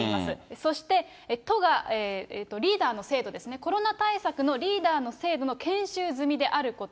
そして都が、リーダーの制度ですね、コロナ対策のリーダーの制度の研修済みであること。